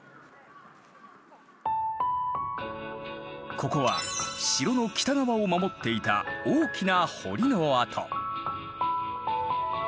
ここは城の北側を守っていた大きな堀の跡。